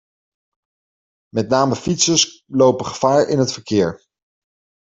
Met name fietsers lopen gevaar in het verkeer.